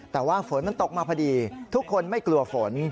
แต่ว่าฝนมันตกมาพอดีทุกคนไม่กลัวฝน